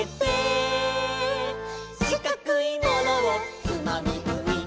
「しかくいものをつまみぐい」